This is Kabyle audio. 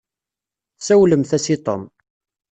Tsawlemt-as i Tom.